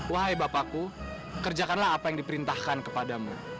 wahai bapakku kerjakanlah apa yang diperintahkan kepadamu